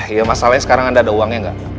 ya masalahnya sekarang anda ada uangnya gak